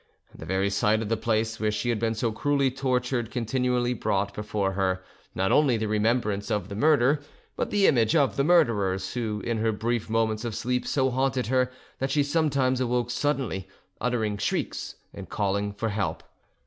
The very sight of the place where she had been so cruelly tortured continually brought before her, not only the remembrance of the murder, but the image of the murderers, who in her brief moments of sleep so haunted her that she sometimes awoke suddenly, uttering shrieks and calling for help.